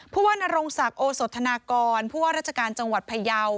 ผู้ว่านรงศักดิ์โอสธนากรผู้ว่าราชการจังหวัดพยาว